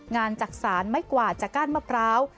จักษานไม้กวาดจากก้านมะพร้าว